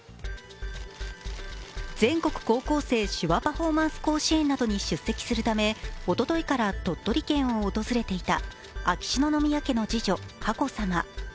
全国高校生手話パフォーマンス甲子園などに出席するため、おとといから鳥取県を訪れていた秋篠宮家の次女・佳子さま。